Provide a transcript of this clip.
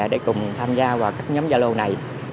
để cùng tham gia vào các nhóm gia lô này